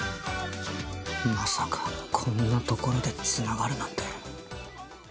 まさかこんなところでつながるなんて。